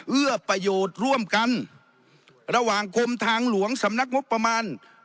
เอื้อประโยชน์ร่วมกันระหว่างกรมทางหลวงสำนักงบประมาณ